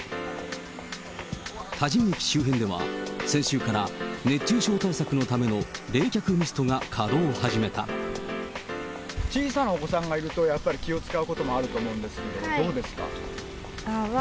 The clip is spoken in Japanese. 多治見駅周辺では、先週から熱中症対策のための冷却ミストが稼働小さなお子さんがいると、やっぱり気を遣うこともあると思うんですけれども、どうですか？